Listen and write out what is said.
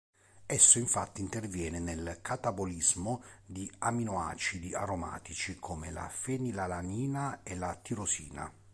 Esso, infatti, interviene nel catabolismo di aminoacidi aromatici come la fenilalanina e la tirosina.